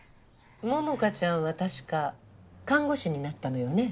桃香ちゃんは確か看護師になったのよね？